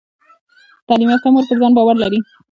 تعلیم یافته مور پر ځان باور لري۔